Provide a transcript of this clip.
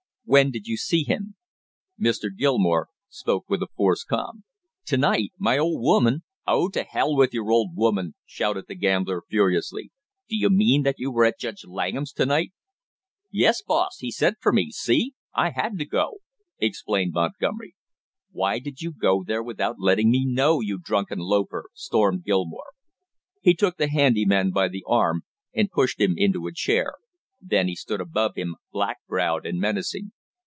"When did you see him?" Mr. Gilmore spoke with a forced calm. "To night. My old woman " "Oh, to hell with your old woman!" shouted the gambler furiously. "Do you mean that you were at Judge Langham's to night?" "Yes, boss; he sent for me, see? I had to go!" explained Montgomery. "Why did you go there without letting me know, you drunken loafer?" stormed Gilmore. He took the handy man by the arm and pushed him into a chair, then he stood above him, black browed and menacing.